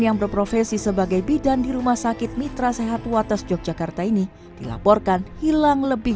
yang berprofesi sebagai bidan di rumah sakit mitra sehat watas yogyakarta ini dilaporkan hilang lebih